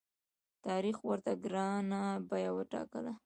تاریخ ورته ګرانه بیه وټاکله.